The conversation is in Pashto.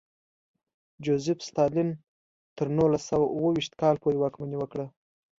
جوزېف ستالین تر نولس سوه اوه ویشت کال پورې واکمني وکړه.